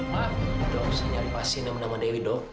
pak dok saya nyari pasien nama nama dewi dok